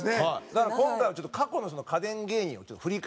だから今回はちょっと過去の家電芸人を振り返ろうと。